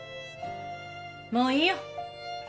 もういいよ。